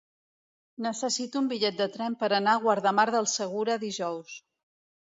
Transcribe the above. Necessito un bitllet de tren per anar a Guardamar del Segura dijous.